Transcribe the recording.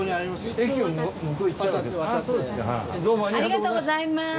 ありがとうございます。